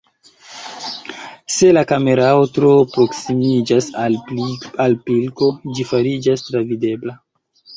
Se la kamerao tro proksimiĝas al pilko, ĝi fariĝas travidebla.